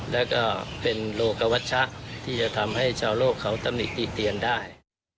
แล้วก็เป็นโลกวัชชะที่จะทำให้ชาวโลกเขาตำหนิติเตียนได้